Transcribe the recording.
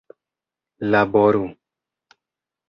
laboru